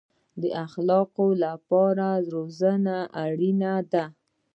د اخلاقو لپاره روزنه اړین ده